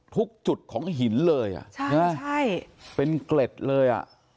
ทุกจุดของหินเลยอ่ะใช่เป็นเกล็ดเลยอ่ะ